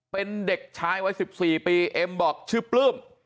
เป็นเด็กชายวัย๑๔ปีเอ็มบอกชื่อปลื้ม